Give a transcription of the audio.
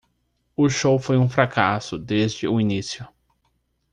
O show foi um fracasso desde o início.